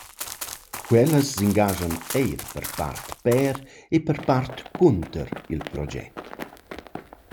Quellas s’ingaschan eir per part per e per part cunter il proget.